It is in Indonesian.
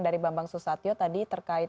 dari bambang susatyo tadi terkait